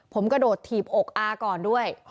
ผมกระโดดถีบอกอาก่อนด้วย